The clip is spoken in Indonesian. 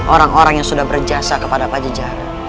orang orang yang sudah berjasa kepada pajeja